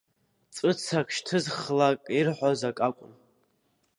Ҵәыцак шьҭызхлак ирҳәоз акы акәын…